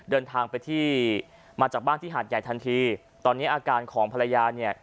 เดินทางไปที่มาจากบ้านที่หาดใหญ่ทันทีตอนนี้อาการของภรรยาเนี่ย